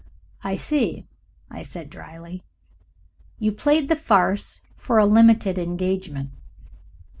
"I see," said I, dryly. "You played the farce for a limited engagement."